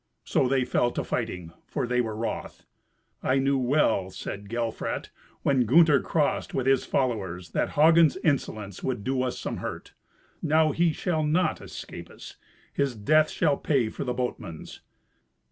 So they fell to fighting, for they were wroth. "I knew well," said Gelfrat, "when Gunther crossed with his followers, that Hagen's insolence would do us some hurt. Now he shall not escape us. His death shall pay for the boatman's."